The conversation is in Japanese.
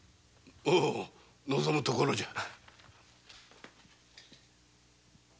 望むところじゃ。